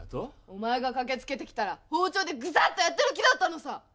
お前が駆けつけてきたら包丁でぐさっとやってやる気だったのさ！